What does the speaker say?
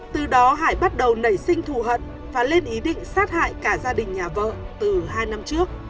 từ đó hải bắt đầu nảy sinh thù hận và lên ý định sát hại cả gia đình nhà vợ từ hai năm trước